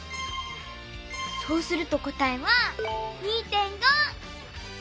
そうすると答えは２．５！